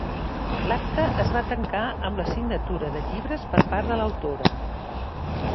L'acte es va tancar amb la signatura de llibres per part de l'autora.